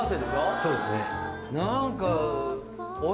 そうですね。何か。